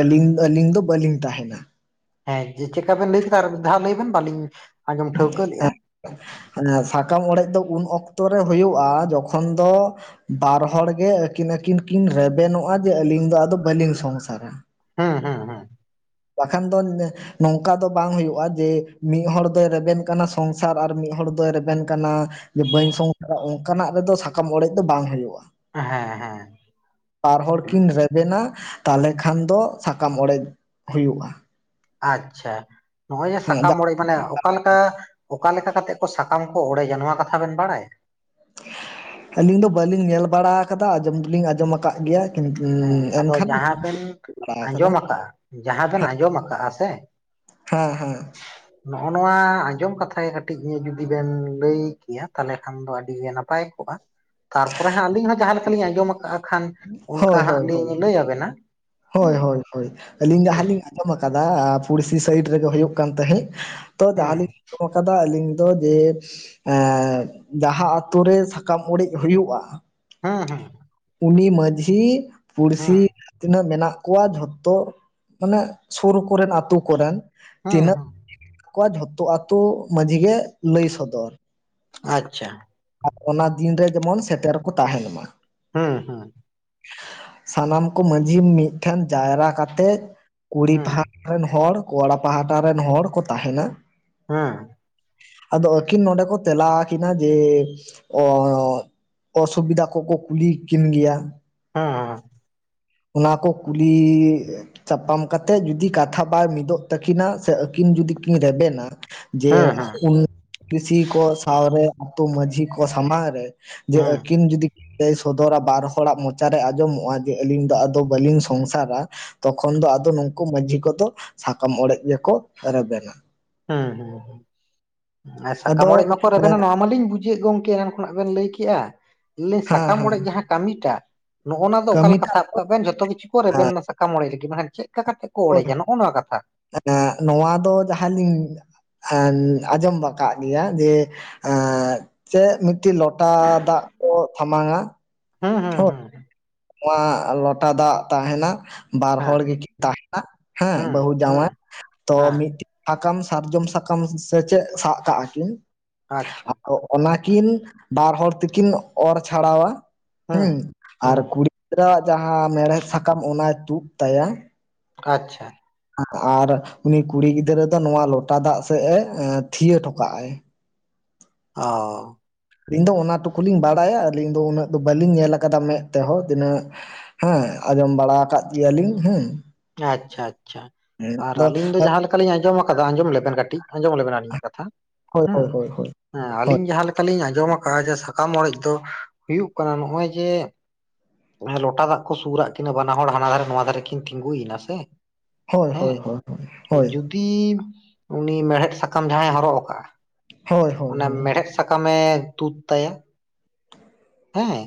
Speaker 1: ᱟᱹᱞᱤᱧ ᱟᱹᱞᱤᱧ ᱫᱚ ᱵᱟᱹᱞᱤᱧ ᱛᱟᱦᱮᱱᱟ᱾
Speaker 2: ᱦᱮᱸ ᱪᱮᱫ ᱞᱮᱠᱟ ᱵᱤᱱ ᱞᱟᱹᱭ ᱠᱮᱫᱟ ᱟᱨ ᱢᱤᱫ ᱫᱷᱟᱣ ᱞᱟᱹᱭ ᱵᱤᱱ ᱵᱟᱞᱤᱧ ᱟᱸᱡᱚᱢ ᱴᱷᱟᱹᱣᱠᱟᱹ ᱞᱮᱜ-ᱟ?
Speaker 1: ᱥᱟᱠᱟᱢ ᱚᱲᱮᱡ ᱫᱚ ᱩᱱ ᱚᱠᱛᱚ ᱨᱮ ᱦᱩᱭᱩᱜ-ᱟ? ᱡᱚᱠᱷᱚᱱ ᱫᱚ ᱵᱟᱨ ᱦᱚᱲᱜᱮ ᱟᱹᱠᱤᱱ ᱟᱹᱠᱤᱱ ᱠᱤᱱ ᱨᱮᱵᱮᱱᱚᱜ-ᱟ ᱡᱮ ᱟᱹᱞᱤᱧ ᱫᱚ ᱟᱫᱚ ᱵᱟᱹᱞᱤᱧ ᱥᱚᱝᱥᱟᱨᱟ᱾
Speaker 2: ᱦᱩᱸ ᱦᱩᱸ ᱦᱩᱸ
Speaker 1: ᱵᱟᱠᱷᱟᱱ ᱫᱚ ᱱᱚᱝᱠᱟ ᱫᱚ ᱵᱟᱝ ᱦᱩᱭᱩᱜᱼᱟ ᱡᱮ ᱢᱤᱫ ᱦᱚᱲ ᱫᱚᱭ ᱨᱮᱵᱮᱱ ᱠᱟᱱᱟ ᱥᱚᱝᱥᱟᱨ ᱟᱨ ᱢᱤᱫ ᱦᱚᱲ ᱫᱚᱭ ᱨᱮᱵᱮᱱ ᱠᱟᱱᱟ ᱡᱮ ᱵᱟᱹᱧ ᱥᱚᱝᱥᱟᱨᱟ ᱚᱱᱠᱟᱱᱟᱜ ᱨᱮᱫᱚ ᱥᱟᱠᱟᱢ ᱚᱲᱮᱡ ᱫᱚ ᱵᱟᱝ ᱦᱩᱭᱩᱜᱼᱟ᱾
Speaker 2: ᱦᱮᱸ ᱦᱮᱸ
Speaker 1: ᱯᱟᱨ ᱦᱚᱲ ᱠᱤᱱ ᱨᱮᱵᱮᱱᱟ ᱛᱟᱞᱮ ᱠᱷᱟᱱ ᱫᱚ ᱥᱟᱠᱟᱢ ᱚᱲᱮᱡ ᱦᱩᱭᱩᱜ-ᱟ᱾
Speaker 2: ᱟᱪᱪᱷᱟ ᱱᱚᱜ-ᱚᱭ ᱡᱮ
Speaker 1: ᱦᱮᱸ
Speaker 2: ᱥᱟᱠᱟᱢ ᱚᱲᱮᱡ ᱢᱟᱱᱮ ᱚᱠᱟᱞᱮᱠᱟ ᱚᱠᱟ ᱞᱮᱠᱟ ᱠᱟᱛᱮᱜ ᱠᱚ ᱥᱟᱠᱟᱢ ᱠᱚ ᱚᱲᱮᱡ ᱟ ᱱᱚᱣᱟ ᱠᱟᱛᱷᱟ ᱵᱮᱱ ᱵᱟᱲᱟᱭᱟ?
Speaker 1: ᱟᱹᱞᱤᱧ ᱫᱚ ᱵᱟᱹᱞᱤᱧ ᱧᱮᱞ ᱵᱟᱲᱟ ᱠᱟᱫᱟ ᱟᱸᱡᱚᱢ ᱫᱚᱞᱤᱧ ᱟᱸᱡᱚᱢᱟ ᱠᱟᱜ ᱜᱮᱭᱟ᱾
Speaker 2: ᱦᱮᱸ ᱟᱫᱚ
Speaker 1: ᱮᱱᱠᱷᱟᱱ
Speaker 2: ᱡᱟᱦᱟᱸ ᱵᱮᱱ
Speaker 1: ᱵᱟᱲᱟ ᱟᱠᱟᱫᱟ
Speaker 2: ᱟᱸᱡᱚᱢ ᱠᱟᱜ-ᱟ ᱡᱟᱦᱟᱸ ᱵᱮᱱ ᱟᱸᱡᱚᱢ ᱟᱠᱟᱜ-ᱟ ᱥᱮ
Speaker 1: ᱦᱮᱸ ᱦᱮᱸ
Speaker 2: ᱱᱚᱜ ᱱᱚᱣᱟ ᱟᱸᱡᱚᱢ ᱠᱟᱛᱷᱟ ᱜᱮ ᱠᱟᱹᱴᱤᱡ ᱤᱧᱟᱹᱜ ᱡᱩᱫᱤ ᱵᱮᱱ ᱞᱟᱹᱭ ᱠᱮᱭᱟ ᱛᱟᱦᱚᱞᱮ ᱠᱷᱟᱱ ᱫᱚ ᱟᱹᱰᱤ ᱜᱮ ᱱᱟᱯᱟᱭ ᱛᱟᱨᱯᱚᱨᱮ ᱦᱟᱸᱜ ᱟᱹᱞᱤᱧ ᱦᱚᱸ ᱡᱟᱦᱟᱸ ᱞᱮᱠᱟᱞᱤᱧ ᱟᱸᱡᱚᱢ ᱠᱟᱜ-ᱟ ᱠᱷᱟᱱ᱾ ᱚᱱᱠᱟ
Speaker 1: ᱦᱳᱭ
Speaker 2: ᱦᱟᱸᱜ
Speaker 1: ᱦᱳᱭ ᱦᱳᱭ
Speaker 2: ᱞᱤᱧ ᱞᱟᱹᱭ ᱟᱵᱮᱱᱟ ᱦᱮᱸ
Speaker 1: ᱦᱳᱭ ᱦᱳᱭ ᱟᱹᱞᱤᱧ ᱡᱟᱦᱟᱸ
Speaker 2: ᱴᱷᱤᱠ
Speaker 1: ᱞᱤᱧ ᱟᱸᱡᱚᱢ ᱠᱟᱫᱟ ᱯᱩᱲᱥᱤ ᱥᱟᱭᱤᱰ ᱨᱮᱜᱮ ᱦᱩᱭᱩᱜ ᱠᱟᱱ ᱛᱟᱦᱮᱸᱫ ᱛᱚ ᱡᱟᱦᱟ
Speaker 2: ᱦᱮᱸ
Speaker 1: ᱞᱤᱧ ᱟᱸᱡᱚᱢ ᱠᱟᱫᱟ ᱟᱹᱞᱤᱧ ᱫᱚ ᱡᱮ ᱮ ᱡᱟᱦᱟᱸ ᱟᱛᱳ ᱨᱮ ᱥᱟᱠᱟᱢ ᱚᱲᱮᱡ ᱦᱩᱭᱩᱜ-ᱟ?
Speaker 2: ᱦᱩᱸ ᱦᱩᱸ
Speaker 1: ᱩᱱᱤ ᱢᱟᱺᱡᱷᱤ
Speaker 2: ᱦᱮᱸ
Speaker 1: ᱯᱩᱲᱥᱤ ᱛᱤᱱᱟᱹᱜ ᱢᱮᱱᱟᱜ ᱠᱚᱣᱟᱜ ᱡᱷᱚᱛᱚ ᱢᱟᱱᱮ ᱥᱳᱨ ᱠᱚᱨᱮᱱ ᱟᱹᱛᱳ ᱠᱚᱨᱮᱱ
Speaker 2: ᱦᱮᱸ
Speaker 1: ᱛᱤᱱᱟᱹᱜ
Speaker 2: ᱦᱮᱸ
Speaker 1: ᱠᱚᱣᱟᱜ ᱡᱷᱚᱛᱚ ᱟᱛᱳ ᱢᱟᱺᱡᱷᱤ ᱜᱮ ᱞᱟᱹᱭ ᱥᱚᱫᱚᱨ᱾
Speaker 2: ᱟᱪᱪᱷᱟ
Speaker 1: ᱟᱨ ᱚᱱᱟ ᱫᱤᱱ ᱨᱮ ᱡᱮᱢᱚᱱ ᱥᱮᱴᱮᱨ ᱠᱚ ᱛᱟᱦᱮᱱ ᱢᱟ᱾
Speaker 2: ᱦᱮᱸ ᱦᱮᱸ
Speaker 1: ᱥᱟᱱᱟᱢ ᱠᱚ ᱢᱟᱺᱡᱷᱤ ᱢᱤᱫᱴᱷᱮᱱ ᱡᱟᱭᱨᱟ ᱠᱟᱛᱮ ᱠᱩᱲᱤ
Speaker 2: ᱦᱮᱸ
Speaker 1: ᱯᱟᱦᱟ ᱨᱮᱱ ᱦᱚᱲ ᱠᱚᱲᱟ ᱯᱟᱦᱴᱟ ᱨᱮᱱ ᱦᱚᱲ ᱠᱚ ᱛᱟᱦᱮᱱᱟ
Speaker 2: ᱦᱩᱸ
Speaker 1: ᱟᱫᱚ ᱟᱹᱠᱤᱱ ᱱᱚᱰᱮ ᱠᱚ ᱛᱮᱞᱟ ᱟᱠᱤᱱᱟ ᱡᱮᱻ ᱚᱥᱩᱵᱤᱫᱟ ᱠᱚᱠᱚ ᱠᱩᱞᱤ ᱠᱤᱱ ᱜᱮᱭᱟ᱾
Speaker 2: ᱦᱩᱸ
Speaker 1: ᱚᱱᱟ ᱠᱚ ᱠᱩᱞᱤ ᱪᱟᱯᱟᱢ ᱠᱟᱛᱮᱫ ᱡᱩᱫᱤ ᱠᱟᱛᱷᱟ ᱵᱟᱭ ᱢᱤᱫᱚᱜ ᱛᱟᱹᱠᱤᱱᱟ ᱥᱮ ᱟᱹᱠᱤᱱ ᱡᱩᱫᱤ ᱠᱤᱱ ᱨᱮᱵᱮᱱᱟ ᱡᱮ
Speaker 2: ᱦᱮᱸ ᱦᱮᱸ
Speaker 1: [unintelligible] ᱩᱱ ᱠᱤᱥᱤ ᱠᱚ ᱥᱟᱶᱨᱮ ᱟᱛᱳ ᱢᱟᱺᱡᱷᱤ ᱠᱚ ᱥᱟᱢᱟᱝ ᱨᱮ ᱡᱮ
Speaker 2: ᱦᱮᱸ
Speaker 1: ᱟᱹᱠᱤᱱ ᱡᱩᱫᱤ ᱞᱟᱹᱭ ᱥᱚᱫᱚᱨᱟ ᱵᱟᱨ ᱦᱚᱲᱟᱜ ᱢᱚᱪᱟᱨᱮ ᱟᱸᱡᱚᱢᱚᱜ-ᱟ ᱡᱮ, ᱟᱹᱞᱤᱧ ᱫᱚ ᱟᱫᱚ ᱵᱟᱹᱞᱤᱧ ᱥᱚᱝᱥᱟᱨᱟ᱾ ᱛᱚᱠᱷᱚᱱ ᱫᱚ ᱟᱫᱚ ᱱᱩᱠᱩ ᱢᱟᱺᱡᱷᱤ ᱠᱚᱫᱚ ᱥᱟᱠᱟᱢ ᱚᱲᱮᱡ ᱜᱮᱠᱚ ᱨᱮᱵᱮᱱᱟ᱾
Speaker 2: ᱦᱩᱸ ᱟᱨ ᱥᱟᱠᱟᱢ
Speaker 1: ᱟᱫᱚ
Speaker 2: ᱚᱲᱮᱡ ᱢᱟᱠᱚ ᱨᱮᱵᱮᱱᱟ
Speaker 1: ᱦᱮᱸ
Speaker 2: ᱱᱚᱣᱟ ᱢᱟᱞᱤᱧ ᱵᱩᱡᱼᱼ ᱪᱮᱫ ᱜᱚᱝᱠᱮ ᱮᱱᱟᱝ ᱠᱷᱚᱱᱟᱜ ᱵᱮᱱ ᱞᱟᱹᱭ ᱠᱮᱜᱼᱟ ᱞᱤᱧ ᱥᱟᱠᱟᱢ
Speaker 1: ᱦᱮᱸ
Speaker 2: ᱚᱲᱮᱡ ᱡᱟᱸᱦᱟ ᱠᱟᱹᱢᱤᱴᱟᱜ ᱱᱚᱜ ᱱᱚᱣᱟ ᱫᱚ ᱚᱠᱟ ᱞᱮᱠᱟ
Speaker 1: ᱠᱟᱹᱢᱤᱴᱟᱜ
Speaker 2: ᱥᱟᱵ ᱠᱟᱜ ᱵᱮᱱ ᱡᱷᱚᱛᱚ ᱠᱤᱪᱷᱩ ᱠᱚ ᱨᱮᱵᱮᱱ ᱱᱟ ᱥᱟᱠᱟᱢ ᱚᱲᱮᱡ ᱞᱟᱹᱜᱤᱫ ᱪᱮᱫ ᱞᱮᱠᱟ᱾ ᱠᱟᱛᱮ ᱠᱚ ᱚᱲᱮᱡᱼᱟ ᱱᱚᱜ ᱱᱚᱣᱟ ᱠᱟᱛᱷᱟ᱾
Speaker 1: ᱮ ᱱᱚᱣᱟ ᱫᱚ ᱡᱟᱦᱟᱸᱞᱤᱧ ᱮ ᱟᱸᱡᱚᱢ ᱠᱟᱜ ᱜᱮᱭᱟ ᱡᱮ᱾ ᱮ ᱪᱮᱜ ᱢᱤᱫᱴᱮᱡ ᱞᱚᱴᱟ ᱫᱟᱜ ᱠᱚ ᱛᱷᱟᱢᱟᱝᱼᱟ᱾
Speaker 2: ᱦᱩᱸ ᱦᱩᱸ ᱦᱩᱸ
Speaker 1: ᱱᱚᱣᱟ ᱞᱚᱴᱟ ᱫᱟᱜ ᱛᱟᱦᱮᱱᱟ᱾ ᱵᱟᱨ
Speaker 2: ᱦᱮᱸ
Speaker 1: ᱦᱚᱲ ᱜᱮᱠᱤᱱ ᱛᱟᱸᱦᱮᱱᱟ ᱦᱮᱸ
Speaker 2: ᱦᱩᱸ
Speaker 1: ᱵᱟᱹᱦᱩ
Speaker 2: ᱦᱩᱸ
Speaker 1: ᱡᱟᱶᱟᱭ ᱛᱚ
Speaker 2: ᱦᱮᱸ
Speaker 1: ᱢᱤᱫᱼᱼ ᱥᱟᱠᱟᱢ ᱥᱟᱨᱡᱚᱢ ᱥᱟᱠᱟᱢ ᱥᱮᱪᱮᱫ ᱥᱟᱜ ᱠᱟᱜᱼᱟ ᱠᱤᱱ᱾
Speaker 2: ᱟᱪᱪᱷᱟ
Speaker 1: ᱚᱱᱟᱠᱤᱱ ᱵᱟᱨ ᱦᱚᱲ ᱛᱮᱠᱤᱱ ᱚᱨ ᱪᱷᱟᱲᱟᱣᱟ
Speaker 2: ᱦᱩᱸ
Speaker 1: ᱦᱮᱸ ᱟᱨ
Speaker 2: ᱦᱩᱸ
Speaker 1: ᱠᱩᱲᱤ᱾ ᱜᱤᱫᱽᱨᱟᱹ ᱟᱜ ᱡᱟᱦᱟᱸ ᱢᱮᱲᱦᱮᱫ ᱥᱟᱠᱟᱢ ᱚᱱᱟᱭ ᱛᱩᱫ ᱛᱟᱭᱟ᱾
Speaker 2: ᱟᱪᱪᱷᱟ
Speaker 1: ᱟᱨ ᱩᱱᱤ ᱠᱩᱲᱤ ᱜᱤᱫᱽᱨᱟᱹ ᱫᱚ ᱱᱚᱣᱟ ᱞᱚᱴᱟ ᱫᱟᱜ ᱥᱮᱫ ᱮ ᱛᱷᱤᱭᱟᱹ ᱦᱚᱴᱚ ᱠᱟᱜᱟᱭ᱾
Speaker 2: ᱚ
Speaker 1: ᱤᱧ ᱫᱚ ᱚᱱᱟ ᱴᱩᱠᱩ ᱞᱤᱧ ᱵᱟᱲᱟᱭᱟ ᱟᱹᱞᱤᱧ ᱫᱚ ᱩᱱᱟᱹᱜ ᱫᱚ ᱵᱟᱹᱞᱤᱧ ᱧᱮᱞ ᱟᱠᱟᱫᱟ ᱢᱮᱸᱫ ᱛᱮᱸᱦᱚ ᱛᱤᱱᱟᱹᱜ᱾ ᱦᱮᱸ ᱟᱸᱡᱚᱢ ᱵᱟᱲᱟ ᱟᱠᱟᱫ ᱜᱮᱭᱟᱞᱤᱧ ᱦᱮᱸ ᱾
Speaker 2: ᱟᱪᱪᱷᱟ ᱟᱪᱪᱷᱟ ᱟᱨ ᱟᱹᱞᱤᱧ ᱫᱚ ᱡᱟᱸᱦᱟ ᱼᱼ ᱠᱛᱷᱟᱧ ᱟᱸᱡᱚᱢ ᱟᱠᱟᱫᱟ ᱟᱸᱡᱚᱢ ᱞᱮᱵᱮᱱ ᱠᱟᱹᱴᱤᱡ, ᱟᱸᱡᱚᱢ ᱞᱮᱵᱮᱱ ᱟᱞᱤᱧᱟᱜ ᱠᱟᱛᱷᱟ ᱼᱼ
Speaker 1: ᱦᱳᱭ ᱦᱳᱭ ᱦᱳᱭ ᱦᱳᱭ ᱼᱼ
Speaker 2: ᱦᱮᱸ ᱟᱞᱤᱧ ᱡᱟᱸᱦᱟ ᱞᱮᱠᱟᱞᱤᱧ ᱟᱸᱡᱚᱢ ᱟᱠᱟᱜᱼᱟ ᱡᱮ ᱥᱟᱠᱟᱢ ᱚᱲᱮᱡ ᱫᱚ ᱦᱩᱭᱩᱜ ᱠᱟᱱᱟ ᱱᱚᱜᱼᱚᱭ ᱡᱮ ᱼᱼ ᱞᱚᱴᱟ ᱫᱟᱜ ᱠᱚ ᱥᱩᱨᱟᱜ ᱠᱤᱱᱟ ᱵᱟᱱᱟ ᱦᱚᱲ ᱦᱟᱱᱟ ᱫᱷᱟᱨᱮ ᱱᱚᱣᱟ ᱫᱷᱟᱨᱮ ᱠᱤᱱ ᱼᱼ ᱛᱤᱸᱜᱩᱭ ᱱᱟᱥᱮ
Speaker 1: ᱦᱳᱭ ᱦᱳᱭ ᱦᱳᱭ
Speaker 2: ᱦᱮᱸ
Speaker 1: ᱦᱳᱭ
Speaker 2: ᱡᱩᱫ ᱼᱼ ᱛᱤ ᱩᱱᱤ ᱢᱮᱲᱦᱮᱫ ᱥᱟᱠᱟᱢ ᱡᱟᱸᱦᱟᱭ ᱦᱚᱨᱚᱜ ᱟᱠᱟᱜᱼᱟ ᱾
Speaker 1: ᱦᱳᱭ ᱦᱳᱭ
Speaker 2: ᱚᱱᱮ
Speaker 1: ᱦᱳᱭ
Speaker 2: ᱢᱮᱬᱦᱮᱫ ᱥᱟᱠᱟᱢᱮ ᱛᱩᱫ ᱛᱟᱭᱟ ᱾ ᱦᱮᱸ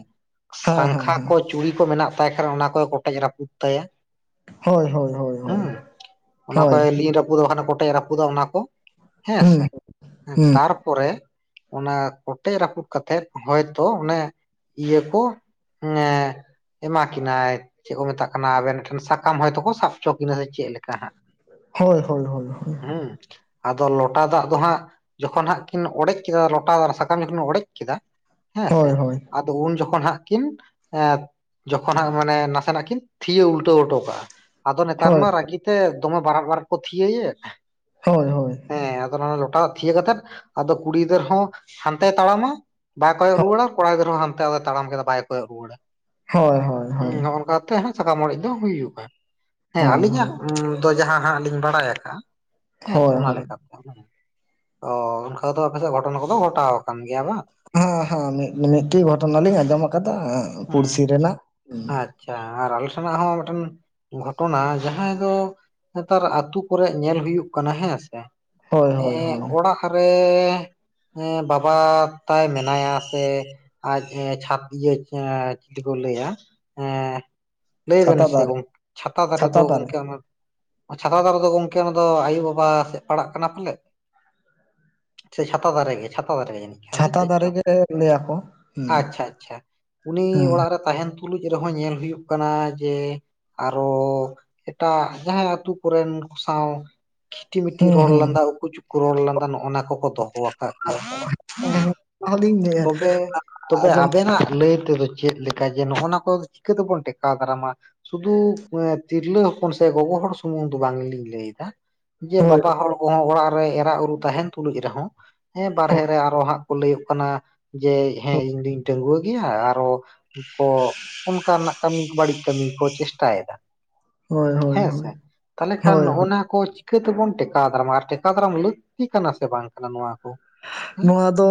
Speaker 1: ᱦᱮᱸ ᱦᱮᱸ
Speaker 2: ᱥᱟᱝᱠᱷᱟ
Speaker 1: ᱦᱮᱸ
Speaker 2: ᱠᱚ ᱪᱩᱲᱤ ᱠᱚ ᱢᱮᱱᱟᱜ ᱛᱟᱭ ᱠᱷᱟᱱ ᱚᱱᱟ ᱠᱚᱭ ᱠᱚᱴᱮᱡ ᱨᱟᱹᱯᱩᱫ ᱛᱟᱭᱟ
Speaker 1: ᱦᱳᱭ ᱦᱳᱭ ᱦᱳᱭ
Speaker 2: ᱾
Speaker 1: ᱦᱳᱭ
Speaker 2: ᱦᱩᱸ ᱚᱱᱟ
Speaker 1: ᱦᱳᱭ
Speaker 2: ᱠᱚᱭ ᱞᱤᱱ ᱨᱟᱹᱯᱩᱫ ᱫᱟ ᱵᱟᱠᱷᱟᱱ ᱠᱚᱴᱮᱡ ᱨᱟᱹᱯᱩᱫ ᱠᱩᱫᱚ ᱚᱱᱟ ᱠᱚ ᱦᱮᱸᱥᱮ ᱛᱟᱨᱯᱚᱨᱮ ᱾ ᱚᱱᱟ ᱠᱚᱴᱮᱡ ᱨᱟᱹᱯᱩᱫ ᱠᱟᱛᱮᱫ ᱦᱚᱭᱛᱚ ᱚᱱᱮ ᱼᱼ ᱤᱭᱟᱹ ᱠᱚ ᱮᱸ ᱮᱢᱟ ᱠᱤᱱᱟᱭ ᱾ ᱪᱮᱫ ᱠᱚ ᱢᱮᱛᱟᱜ ᱠᱟᱱᱟ ᱟᱵᱮᱱ ᱴᱷᱮᱱ, ᱥᱟᱠᱟᱢ ᱦᱚᱭᱛᱳ ᱠᱚ ᱥᱟᱵ ᱦᱚᱪᱚ ᱠᱤᱱᱟ ᱥᱮ ᱪᱮᱜ ᱞᱮᱠᱟ ᱦᱟᱸᱜ ᱾
Speaker 1: ᱦᱳᱭ ᱦᱳᱭ ᱦᱳᱭ
Speaker 2: ᱦᱩᱸ ᱟᱫᱚ ᱞᱚᱴᱟ ᱫᱟᱜ ᱫᱚᱦᱟᱸᱜᱟ ᱾ ᱡᱚᱠᱷᱚᱱ ᱦᱟᱸᱜ ᱠᱤᱱ ᱚᱲᱮᱡ ᱠᱮᱫᱟ ᱞᱚᱴᱟ ᱫᱟᱨ ᱥᱟᱠᱟᱢ ᱡᱚᱠᱷᱚᱱ ᱚᱲᱮᱡ ᱠᱮᱫᱟ ᱾ ᱦᱮᱸ ᱥᱮ
Speaker 1: ᱦᱳᱭ ᱦᱳᱭ ᱦᱳᱭ
Speaker 2: ᱟᱫᱚ ᱩᱱ ᱡᱚᱠᱷᱚᱱ ᱦᱟᱸᱜ ᱠᱤᱱ ᱮᱸ ᱡᱚᱠᱷᱚᱱ ᱦᱟᱸᱜ ᱢᱟᱱᱮ ᱱᱟᱥᱮᱱᱟᱜ ᱠᱤᱱ ᱼᱼ ᱛᱷᱤᱭᱟᱹ ᱩᱞᱴᱟᱹᱣ ᱦᱚᱴᱚ ᱠᱟᱜᱼᱟ, ᱟᱫᱚ ᱱᱮᱛᱟᱨ
Speaker 1: ᱦᱳᱭ
Speaker 2: ᱢᱟ ᱨᱟᱹᱜᱤ ᱛᱮ ᱫᱚᱢᱮ ᱵᱟᱨᱟᱜ ᱵᱟᱨᱟᱜ ᱠᱚ ᱛᱷᱤᱭᱟᱹᱭᱮᱜ ᱾
Speaker 1: ᱦᱳᱭ ᱦᱳᱭ ᱼᱼ
Speaker 2: ᱦᱮᱸ ᱟᱫᱚ ᱚᱱᱟ ᱞᱚᱴᱟ ᱛᱷᱤᱭᱟᱹ ᱠᱟᱛᱮᱫ ᱟᱫᱚ ᱠᱩᱲᱤ ᱜᱤᱫᱟᱹᱨ ᱦᱚᱸ ᱦᱟᱱᱛᱮᱭ ᱛᱟᱲᱟᱢᱟ ᱾ ᱵᱟᱭ ᱠᱚᱭᱚᱜ ᱨᱩᱣᱟᱹᱲᱟ, ᱟᱨ ᱠᱚᱲᱟ ᱜᱤᱫᱽᱨᱟᱹ ᱦᱚᱸ ᱦᱟᱱᱛᱮ ᱟᱫᱚᱭ ᱛᱟᱲᱟᱢ ᱠᱮᱫᱟ ᱵᱟᱭ ᱠᱚᱭᱚᱜ ᱨᱩᱣᱟᱹᱲᱟ ᱾
Speaker 1: ᱦᱳᱭ ᱦᱳᱭ ᱼᱼ
Speaker 2: ᱦᱚᱦᱚᱱᱠᱟ ᱠᱟᱛᱮᱜ ᱥᱟᱠᱟᱢ ᱚᱲᱮᱡ ᱫᱚ ᱦᱩᱭᱩᱜᱼᱟ ᱦᱮᱸ
Speaker 1: ᱦᱳᱭ ᱦᱳᱭ
Speaker 2: ᱟᱹᱞᱤᱧᱟᱜ᱾
Speaker 1: ᱦᱳᱭ
Speaker 2: ᱫᱚ ᱡᱟᱦᱟᱸ ᱦᱟᱸᱜ ᱞᱤᱧ ᱵᱟᱲᱟᱭ ᱟᱠᱟᱜᱼᱟ, ᱦᱮᱸ ᱥᱮ
Speaker 1: ᱦᱳᱭ
Speaker 2: ᱚᱱᱟ
Speaker 1: ᱦᱳᱭ
Speaker 2: ᱞᱮᱠᱟ ᱾ ᱚ ᱚᱱᱠᱟ ᱫᱚ ᱟᱯᱮᱥᱮᱜ ᱜᱷᱚᱴᱚᱱᱟ ᱠᱚᱫᱚ ᱜᱷᱚᱴᱟᱣ ᱟᱠᱟᱱ ᱜᱮᱭᱟ ᱵᱟᱝ?
Speaker 1: ᱦᱮᱸ ᱦᱮᱸ ᱢᱤᱫᱴᱤᱡ ᱜᱷᱚᱴᱚᱱᱟ ᱞᱤᱧ ᱟᱸᱡᱚᱢ ᱟᱠᱟᱫᱟ ᱾
Speaker 2: ᱩᱸ ᱼᱼ ᱟᱪᱪᱷᱟ ᱟᱨ ᱟᱞᱮ ᱥᱮᱱᱟᱜ ᱦᱚᱸ ᱢᱤᱫᱴᱮᱱ ᱜᱷᱚᱴᱚᱱᱟ ᱡᱟᱦᱟᱸᱭ ᱫᱚ᱾ ᱱᱮᱸᱛᱟᱨ ᱟᱛᱩ ᱠᱚᱨᱮᱡ ᱧᱮᱞ ᱦᱩᱭᱩᱜ ᱠᱟᱱᱟ ᱦᱮᱸ ᱥᱮ?
Speaker 1: ᱦᱳᱭ ᱾
Speaker 2: ᱮᱸ ᱚᱲᱟᱜ ᱨᱮ ᱵᱟᱵᱟ ᱛᱟᱭ ᱢᱮᱱᱟᱭᱟ ᱥᱮ ᱼᱼ ᱟᱡ ᱪᱷᱟᱛ ᱤᱭᱟᱹ ᱪᱤ ᱞᱤ ᱠᱚ ᱞᱟᱹᱭᱟ ᱮᱸ ᱼᱼ ᱞᱟᱹᱭ ᱵᱮᱱ
Speaker 1: ᱪᱷᱟᱛᱟ
Speaker 2: ᱥᱮ
Speaker 1: ᱫᱟᱨᱮ
Speaker 2: ᱜᱚᱝᱠᱮ ᱪᱷᱟᱛᱟ ᱫᱟᱨᱮ ᱫᱚ ᱜᱚᱝᱠᱮ ᱚᱱᱟ ᱼᱼ ᱪᱷᱟᱛᱟ ᱫᱟᱨᱮ ᱫᱚ ᱜᱚᱝᱠᱮ ᱚᱱᱟ ᱫᱚ ᱟᱭᱳ-ᱵᱟᱵᱟ ᱥᱮᱜ ᱯᱟᱲᱟᱜ ᱠᱟᱱᱟ ᱯᱟᱞᱮ? ᱥᱮ ᱪᱷᱟ ᱛᱟ ᱫᱟᱨᱮ ᱜᱮ ᱪᱷᱟ ᱛᱟ ᱫᱟᱨᱮ ᱜᱮ ᱡᱟᱱᱤᱡ ᱾
Speaker 1: ᱪᱷᱟ ᱛᱟ ᱫᱟ ᱨᱮ ᱜᱮ ᱞᱟᱹᱭ ᱟᱠᱚ ᱾
Speaker 2: ᱟᱪᱪᱷᱟ ᱟᱪᱪᱷᱟ ᱩᱱᱤ ᱚᱲᱟᱜ ᱨᱮ ᱛᱟᱦᱮᱱ ᱛᱩᱞᱩᱡ ᱨᱮ ᱦᱚᱸ ᱧᱮᱞ ᱦᱩᱭᱩᱜ ᱠᱟᱱᱟ ᱡᱮ ᱼᱼ ᱟᱨᱚ ᱮᱴᱟᱜ ᱡᱟᱦᱟᱸᱭ ᱟᱹᱛᱩ ᱠᱚᱨᱮᱱ ᱠᱚ ᱥᱟᱶ ᱾ ᱠᱷᱤᱴᱤ-ᱢᱤᱴᱤ
Speaker 1: ᱦᱩᱸ
Speaker 2: ᱨᱚᱲ
Speaker 1: ᱦᱩᱸ ᱦᱮᱸ
Speaker 2: ᱞᱟᱸᱫᱟ ᱩᱠᱩ ᱪᱩᱠᱩ ᱨᱚᱲ ᱞᱟᱸᱫᱟ ᱱᱚᱜᱼᱱᱟ ᱠᱚ ᱠᱚ ᱫᱚ ᱦᱚᱸ ᱟᱠᱟᱜ ᱜᱮᱭᱟ ᱾
Speaker 1: ᱚᱱᱟ ᱦᱚᱞᱤᱧ
Speaker 2: ᱛᱚ ᱵᱮ ᱛᱚ ᱵᱮ
Speaker 1: ᱟᱸᱡᱚᱢ
Speaker 2: ᱟᱵᱮ ᱱᱟᱜ ᱞᱟᱹᱭ ᱛᱮ ᱫᱚ ᱼᱼ ᱪᱮᱫ ᱞᱮᱠᱟ ᱡᱮ ᱱᱚᱜᱼᱚ ᱱᱟ ᱠᱚ ᱪᱤᱠᱟᱹ ᱛᱮ ᱵᱚᱱ ᱴᱮᱠᱟᱣ ᱫᱟᱨᱟᱢ-ᱟ? ᱥᱩᱫᱩ ᱛᱤᱨᱞᱟᱹ ᱦᱚᱯᱚᱱ ᱥᱮ ᱜᱚ ᱜᱚ ᱦᱚᱲ ᱥᱩᱢᱩᱝ ᱫᱚ ᱵᱟᱝ ᱞᱤᱧ ᱞᱟᱹᱭ ᱫᱟ ᱾ ᱡᱮ
Speaker 1: ᱦᱳᱭ
Speaker 2: ᱵᱟᱵᱟ ᱦᱚᱲ ᱠᱚ ᱦᱚᱸ ᱚᱲᱟᱜ ᱨᱮ ᱮᱨᱟ ᱩᱨᱩ ᱛᱟᱦᱮᱱ ᱛᱩᱞᱩᱡ ᱨᱮ ᱦᱚᱸ ᱦᱮᱸ ᱵᱟᱨ
Speaker 1: ᱦᱳᱭ
Speaker 2: ᱦᱮ ᱨᱮ ᱟᱨᱚ ᱦᱟᱸᱜ ᱼᱼ ᱠᱚ ᱞᱟᱹᱭᱟᱜ ᱠᱟᱱᱟ ᱡᱮ ᱦᱮᱸ ᱤᱧ ᱫᱩᱧ ᱰᱟᱝᱣᱟᱹ ᱜᱮᱭᱟ ᱟᱨᱚ ᱼᱼ ᱠᱚ ᱚᱱᱠᱟ ᱱᱟᱜ ᱠᱟᱹᱢᱤ ᱵᱟᱹᱲᱤᱡ ᱠᱟᱹᱢᱤ ᱠᱚ ᱪᱮᱥ ᱴᱟᱭ ᱫᱟ ᱾
Speaker 1: ᱦᱳᱭ ᱦᱳᱭ
Speaker 2: ᱦᱮᱸ
Speaker 1: ᱦᱳᱭ
Speaker 2: ᱥᱮ ᱛᱟᱞᱮ ᱠᱷᱟᱱ
Speaker 1: ᱦᱳᱭ ᱦᱳᱭ
Speaker 2: ᱱᱚᱜ-ᱚᱼᱱᱟ ᱼᱼ ᱠᱚ ᱪᱤᱠᱟᱹ ᱛᱮ ᱵᱚᱱ ᱴᱮᱠᱟᱣ ᱫᱟᱨᱟᱢ-ᱟ ᱟᱨ ᱴᱮᱠᱟᱣ ᱫᱟᱨᱟᱢ ᱞᱟᱹᱠᱛᱤ ᱠᱟᱱᱟ ᱥᱮ ᱵᱟᱝ ᱠᱟᱱᱟ ᱱᱚᱣᱟ ᱠᱚ? ᱦᱮᱸ
Speaker 1: ᱱᱚᱣᱟ ᱫᱚ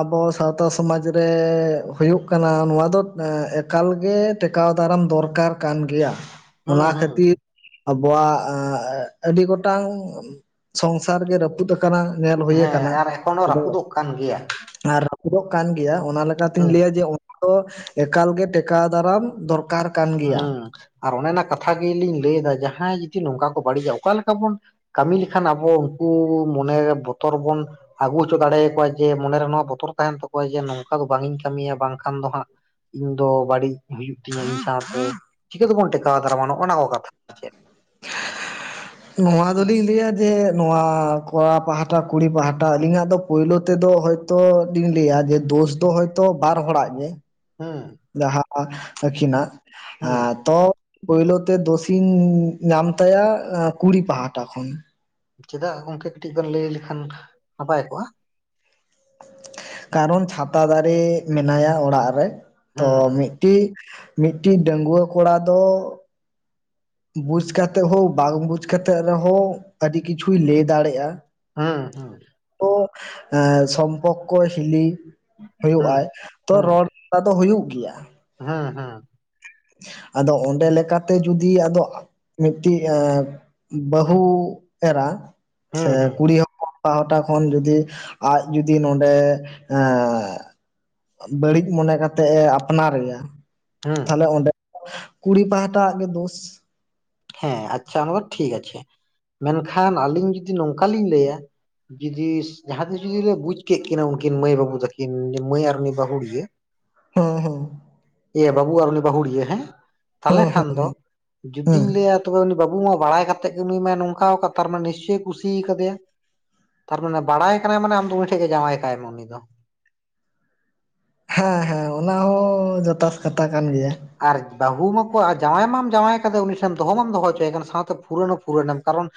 Speaker 1: ᱟᱵᱚ ᱥᱟᱶᱛᱟ ᱥᱚ ᱢᱟᱡᱽ ᱨᱮ ᱦᱩᱭᱩᱜ ᱠᱟᱱᱟ ᱱᱚᱣᱟ ᱫᱚ ᱼᱼ ᱮᱠᱟᱞ ᱜᱮ ᱴᱮ ᱠᱟᱣ ᱫᱟᱨᱟᱢ ᱫᱚᱨ ᱠᱟᱨ ᱠᱟᱱ ᱜᱮᱭᱟ
Speaker 2: ᱦᱩᱸ
Speaker 1: ᱚᱱᱟ
Speaker 2: ᱦᱩᱸ
Speaker 1: ᱠᱷᱟᱹᱛᱤᱨ ᱟᱵᱚ ᱣᱟᱜ ᱟᱹᱰᱤ ᱜᱚᱴᱟᱝ ᱥᱚᱝ ᱥᱟᱨ ᱜᱮ ᱨᱟᱹᱯᱩᱫ ᱠᱟᱱᱟ ᱧᱮᱞ ᱦᱩᱭ ᱠᱟᱱᱟ
Speaker 2: ᱮᱠᱷᱚᱱ ᱦᱚᱸ ᱨᱟᱹᱯᱩᱫ ᱚᱜ ᱠᱟᱱ ᱜᱮᱭᱟ
Speaker 1: ᱟᱨ ᱨᱟᱹᱯᱩᱫ ᱚᱜ ᱠᱟᱱ ᱜᱮᱭᱟ ᱚᱱᱟ ᱞᱮ ᱠᱟᱛᱤᱧ
Speaker 2: ᱦᱩᱸ
Speaker 1: ᱞᱟᱹᱭᱟ ᱡᱮ [unintelligible] ᱮᱠᱟᱞ ᱜᱮ ᱴᱮ ᱠᱟᱣ ᱫᱟᱨᱟᱢ ᱫᱚᱨ ᱠᱟᱨ
Speaker 2: ᱦᱩᱸ ᱟᱨ ᱚᱱᱟ ᱚᱱᱟ ᱠᱟᱛᱷᱟ ᱜᱮ ᱞᱤᱧ ᱞᱟᱹᱭ ᱫᱟ ᱡᱟᱦᱟᱸᱭ ᱡᱩᱫᱤ ᱱᱚᱝ ᱠᱟ ᱠᱚ ᱵᱟᱹᱲᱤᱡᱟ ᱚᱠᱟ ᱞᱮᱠᱟ ᱵᱚᱱ ᱠᱟᱹᱢᱤ ᱞᱮ ᱠᱷᱟᱱ ᱟᱵᱚ ᱩᱱᱠᱩ ᱢᱚᱱᱮ ᱵᱚᱛᱚᱨ ᱵᱚᱱ ᱟᱹᱜᱩ ᱦᱚ ᱪᱚ ᱫᱟᱲᱮᱭ ᱟᱠᱚᱣᱟ ᱡᱮ ᱢᱚᱱᱮ ᱨᱮᱱᱟᱜ ᱵᱚᱛᱚᱨ ᱛᱟᱦᱮᱱ ᱛᱟ ᱠᱚᱣᱟ ᱡᱮ ᱱᱚᱝ ᱠᱟ ᱫᱚ ᱵᱟᱝ ᱤᱧ ᱠᱟᱹᱢᱤ ᱭᱟ ᱵᱟᱝ ᱠᱷᱟᱱ ᱫᱚ ᱦᱟᱸᱜ ᱤᱧ ᱫᱚ ᱵᱟᱹᱲᱤᱡ ᱦᱩᱭᱩᱜ ᱛᱤᱧᱟᱹ [unintelligible] ᱪᱤᱠᱟᱹ ᱛᱮ ᱵᱚᱱ ᱴᱮ ᱠᱟᱣ ᱫᱟᱨᱟᱢ-ᱟ ᱱᱚᱜᱼᱱᱟ ᱠᱚ ᱠᱟᱛᱷᱟ ᱪᱮᱫ
Speaker 1: ᱱᱚᱣᱟ ᱫᱚ
Speaker 2: ᱦᱩᱸ
Speaker 1: ᱞᱤᱧ ᱞᱟᱹᱭᱟ ᱡᱮ ᱱᱚᱣᱟ ᱠᱚᱲᱟ ᱯᱟᱦᱟ ᱴᱟ ᱠᱩᱲᱤ ᱯᱟᱦᱟ ᱴᱟ ᱟᱹᱞᱤᱧ ᱟᱜ ᱫᱚ ᱯᱳᱭᱞᱳ ᱛᱮ ᱫᱚ ᱦᱚ ᱛᱚ [unintelligible] ᱞᱟᱹᱭᱟ ᱡᱮ ᱫᱳᱥ ᱫᱚ ᱦᱳᱭ ᱛᱚ ᱵᱟᱨ ᱦᱚᱲ ᱟᱜ ᱜᱮ
Speaker 2: ᱦᱩᱸ
Speaker 1: ᱡᱟᱦᱟᱸ ᱟᱹᱠᱤ ᱱᱟᱜ
Speaker 2: ᱦᱩᱸ
Speaker 1: ᱛᱚ ᱯᱳᱭᱞᱳ ᱛᱮ ᱫᱚᱥᱤᱧ ᱧᱟᱢ ᱛᱟᱭᱟ ᱠᱩᱲᱤ ᱯᱟᱦᱟ ᱴᱟ ᱠᱷᱚᱱ
Speaker 2: ᱪᱮᱫᱟᱜ ᱜᱚᱝᱠᱮ ᱠᱟᱹᱴᱤᱡ ᱵᱮᱱ ᱞᱟᱹᱭ ᱞᱮ ᱠᱷᱟᱱ ᱱᱟᱯᱟᱭ ᱠᱚᱜᱼᱟ
Speaker 1: ᱠᱟᱨᱚᱱ ᱪᱷᱟ ᱛᱟ ᱫᱟᱨᱮ ᱢᱮᱱᱟ ᱭᱟ ᱚᱲᱟᱜ ᱨᱮ ᱛᱚ
Speaker 2: ᱦᱩᱸ ᱦᱩᱸ
Speaker 1: ᱢᱤᱫ ᱴᱤ ᱢᱤᱫ ᱴᱤᱡ ᱰᱟᱝᱹᱜᱣᱟᱹ ᱠᱚᱲᱟ ᱫᱚ ᱵᱩᱡ ᱠᱟᱛᱮᱫ ᱦᱚᱸ ᱵᱟᱝ ᱵᱩᱡ ᱠᱟᱛᱮᱫ ᱨᱮ ᱦᱚᱸ ᱟᱹᱰᱤ ᱠᱤᱪᱷᱩᱭ ᱞᱟᱹᱭ ᱫᱟᱲᱮ ᱭᱟᱜᱼᱟ
Speaker 2: ᱦᱮᱸ ᱦᱮᱸ
Speaker 1: ᱛᱚ ᱥᱚᱢ ᱯᱚᱠᱠᱚ ᱦᱤᱞᱤ ᱦᱳᱭᱳᱜ
Speaker 2: ᱦᱩᱸ
Speaker 1: ᱟᱭ ᱛᱚ ᱨᱚᱲ ᱠᱚ ᱫᱚ ᱦᱩᱭᱩᱜ ᱜᱮᱭᱟ
Speaker 2: ᱦᱮᱸ ᱦᱮᱸ
Speaker 1: ᱟᱫᱚ ᱚᱸᱰᱮ ᱞᱮ ᱠᱟᱛᱮ ᱡᱩᱫᱤ ᱟᱫᱚ ᱢᱤᱫ ᱴᱤᱡ ᱮ ᱵᱟᱹᱦᱩ ᱮᱨᱟ
Speaker 2: ᱦᱩᱸ
Speaker 1: ᱥᱮ
Speaker 2: ᱦᱩᱸ
Speaker 1: ᱠᱩᱲᱤ ᱯᱟᱦᱟᱴᱟ ᱠᱷᱚᱱ ᱡᱩᱫᱤ ᱟᱡ ᱡᱩᱫᱤ ᱱᱚᱸᱰᱮ ᱮᱻ ᱵᱟᱹᱲᱤᱡ ᱢᱚᱱᱮ ᱠᱟᱛᱮᱫ ᱮ ᱟᱯᱱᱟᱨ ᱮᱭᱟ
Speaker 2: ᱦᱮᱸ
Speaker 1: ᱛᱟᱦᱞᱮ ᱚᱸᱰᱮ ᱠᱩᱲᱤ ᱯᱟᱦᱟᱴᱟ ᱟᱜ ᱜᱮ ᱫᱳᱥ
Speaker 2: ᱦᱮᱸ ᱟᱪᱪᱷᱟ ᱚᱱᱟ ᱫᱚ ᱴᱷᱤᱠ ᱟᱪᱷᱮ ᱢᱮᱱ ᱠᱷᱟᱱ ᱟᱹᱞᱤᱧ ᱡᱩᱫᱤ ᱱᱚᱝ ᱠᱟ ᱞᱤᱧ ᱞᱟᱹᱭᱟ ᱡᱩᱫᱤ ᱡᱟᱦᱟᱸ ᱛᱤᱥ ᱡᱩᱫᱤ ᱞᱮ ᱵᱩᱡ ᱠᱮᱫ ᱠᱤᱱᱟ ᱩᱱᱠᱤᱱ ᱢᱟᱹᱭ ᱵᱟᱹᱵᱩ ᱛᱟᱹᱠᱤᱱ ᱢᱟᱹᱭ ᱟᱨ ᱩᱱᱤ ᱵᱟᱹᱵᱩ ᱜᱮ
Speaker 1: [unintelligible]
Speaker 2: ᱮᱭᱟᱹ ᱵᱟᱹᱵᱩ ᱟᱨ ᱩᱱᱤ ᱵᱟᱹᱦᱩᱲᱤᱭᱟᱹ ᱦᱮᱸ ᱛᱟᱦᱚᱞᱮ
Speaker 1: ᱦᱮᱸ ᱦᱮᱸ
Speaker 2: ᱠᱷᱟᱱ ᱫᱚ
Speaker 1: ᱦᱮᱸ
Speaker 2: ᱡᱩᱫ
Speaker 1: ᱦᱮᱸ
Speaker 2: ᱡᱩᱫᱤᱧ ᱞᱟᱹᱭᱟ ᱛᱚᱵᱮ ᱩᱱᱤ ᱵᱟᱹᱵᱩ ᱢᱟ ᱵᱟᱲᱟᱭ ᱠᱟᱛᱮᱫ ᱜᱮ ᱩᱱᱤᱩᱭ ᱢᱟ ᱱᱚᱝᱠᱟ ᱠᱟᱫ, ᱛᱟᱨ ᱢᱟᱱ ᱱᱤᱥᱪᱚᱭ ᱠᱩᱥᱤ ᱠᱟᱫᱮᱭᱟ᱾ ᱛᱟᱨᱢᱟᱱᱮ ᱵᱟᱲᱟᱭ ᱠᱟᱱᱟᱭ ᱢᱟᱱᱮ ᱟᱢ ᱫᱚ ᱩᱱᱤ ᱴᱷᱮᱡ ᱜᱮ ᱡᱟᱶᱟᱭ ᱠᱟᱭ ᱢᱮ ᱩᱱᱤ ᱫᱚ᱾
Speaker 1: ᱦᱮᱸ ᱦᱮᱸ ᱚᱱᱟ ᱦᱚᱸ ᱡᱚᱛᱷᱟᱛ ᱠᱟᱛᱷᱟ ᱠᱟᱱ ᱜᱮᱭᱟ᱾
Speaker 2: ᱟᱨ ᱵᱟᱹᱦᱩ ᱢᱟᱠᱚ ᱟᱨ ᱡᱟᱶᱟᱭ ᱢᱟᱢ ᱡᱟᱶᱟᱭ ᱠᱟᱫᱮ ᱩᱱᱤ ᱴᱷᱮᱱ, ᱫᱚᱦᱚ ᱢᱟᱢ ᱫᱚᱦᱚ ᱦᱚᱪᱚᱭᱮ ᱠᱟᱱ ᱥᱟᱶᱛᱮ ᱯᱷᱩᱨᱟᱹᱱ ᱦᱚᱸ ᱯᱷᱩᱨᱟᱹᱱ ᱮᱢ ᱠᱟᱨᱚᱱ